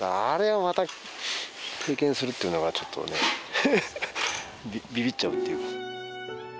あれをまた経験するっていうのがちょっとねびびっちゃうというか。